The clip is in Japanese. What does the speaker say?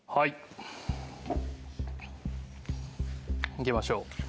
いきましょう。